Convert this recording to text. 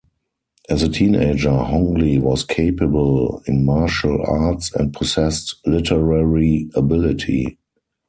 As a teenager, Hongli was capable in martial arts and possessed literary ability.